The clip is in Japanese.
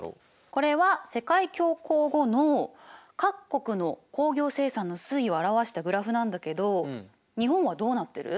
これは世界恐慌後の各国の工業生産の推移を表したグラフなんだけど日本はどうなってる？